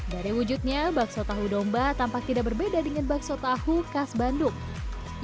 dari wujudnya bakso tahu domba tampak tidak berbeda dengan bakso tahu khas bandung